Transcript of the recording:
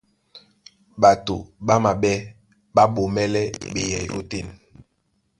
Ɓato ɓá maɓɛ́ ɓá ɓomɛ́lɛ́ ɓeyɛy ótên.